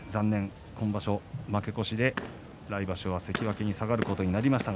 今場所負け越しで来場所は関脇に下がることになりました。